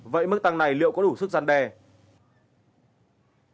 vậy mức tăng này liệu có đủ sức gian đe